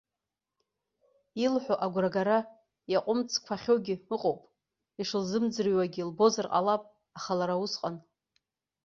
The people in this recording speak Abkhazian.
Илҳәо агәрагара иаҟәымҵқәахьоугьы ыҟоуп, ишылзымӡырҩуагьы лбозар ҟалап, аха лара усҟан.